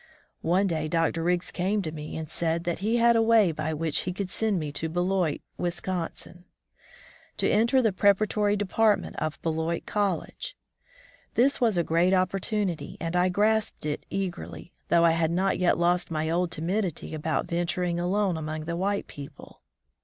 One day Dr. Riggs came to me and said that he had a way by which he could send me to Beloit, Wisconsin, to enter the pre paratory department of Beloit College. This was a great opportunity, and I grasped it eagerly, though I had not yet lost my old timidity about venturing alone among the white people.